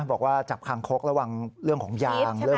บอกว่าจับคางคกระวังเรื่องของยาง